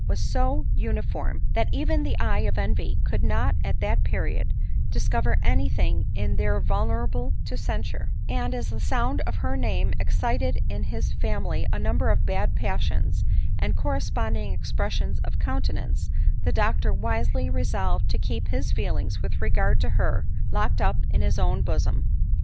£1 was so uniform, that even the eye of envy could not at that period discover any thing in her vulnerable to cen sure ; and, as the sound of her name excited in his fam ily a number of bad passions and corresponding expres sions of countenance, the doctor wisely resolved to keep his feelings, with regard to her, locked up in his own bo som.